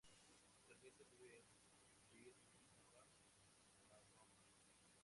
Actualmente vive en Birmingham, Alabama.